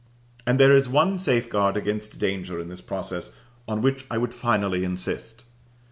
And there is one safeguard against danger in this process on which I would finally insist.